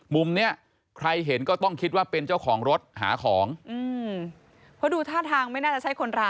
มุมเนี้ยใครเห็นก็ต้องคิดว่าเป็นเจ้าของรถหาของเพราะดูท่าทางไม่น่าจะใช่คนร้าย